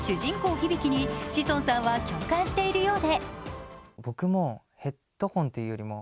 ヒビキに志尊さんは共感しているようで。